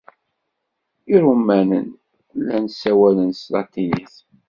Iṛumanen llan ssawalen s tlatinit.